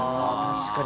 確かに。